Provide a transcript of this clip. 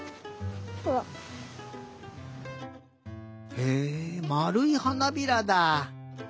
へえまるいはなびらだ。